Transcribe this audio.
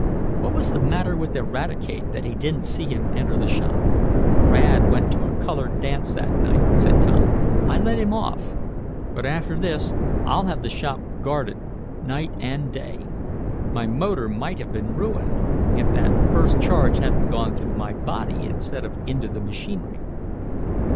What was the matter with Eradicate, that he didn't see him enter the shop?" "Rad went to a colored dance that night," said Tom. "I let him off. But after this I'll have the shop guarded night and day. My motor might have been ruined, if that first charge hadn't gone through my body instead of into the machinery."